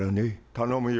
頼むよ